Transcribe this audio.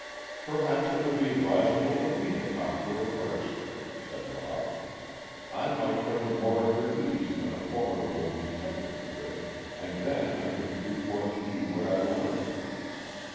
"Perhaps it would be advisable for me to talk to her first," said Rob. "I might put her more at her ease than a formidable detective could, and then I could report to you what I learn."